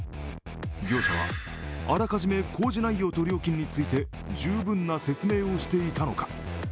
業者は、あらかじめ工事内容と料金について十分な説明をしていたのか。